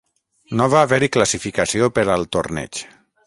No va haver-hi classificació per al torneig.